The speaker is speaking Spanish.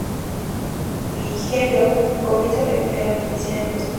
Bigelow comienza a practicar la medicina en Boston.